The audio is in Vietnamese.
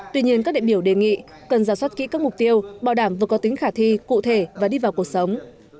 tuy nhiên các đại biểu đề nghị cần giả soát kỹ các mục tiêu bảo đảm vừa có tính khả thi cụ thể và đi vào cuộc sống